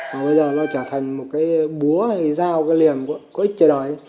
mà bây giờ nó trở thành một cái búa hay dao cái liềm có ích cho đời